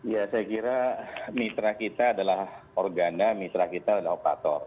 ya saya kira mitra kita adalah organda mitra kita adalah operator